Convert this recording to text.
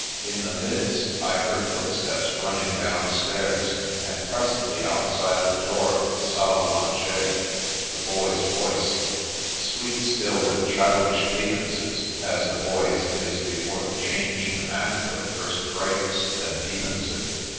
In the midst, I heard footsteps running downstairs, and presently outside the door of the salle d manger the boy's voice — sweet still with childish cadences, as a boy's is before the change to manhood first breaks, then deepens it.